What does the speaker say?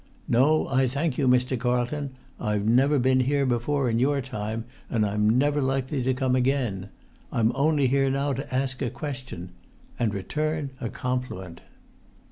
"No, I thank you, Mr. Carlton. I've never been[Pg 20] here before in your time, and I'm never likely to come again. I'm only here now to ask a question—and return a compliment!"